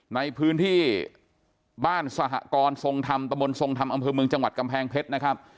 ในพื้นที่บ้านสหกรทรงธรรมตะบนทรงธรรมอำเภอเมืองจังหวัดกำแพงเพชรนะครับ